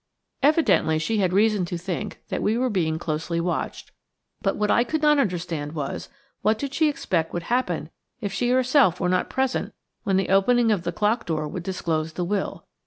Evidently she had reason to think that we were being closely watched; but what I could not understand was, what did she expect would happen if she herself were not present when the opening of the clock door would disclose the will?